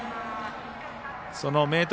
その明徳